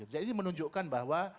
jadi menunjukkan bahwa